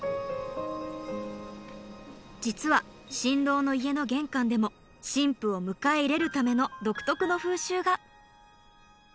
実は新郎の家の玄関でも新婦を迎え入れるための独特の風習が。